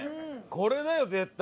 これだよ絶対。